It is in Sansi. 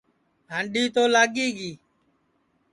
ہانڈی تو لاگی گی